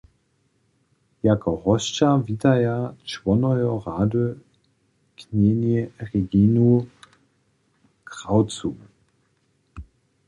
Jako hosća witaja čłonojo rady knjeni Reginu Krawcowu.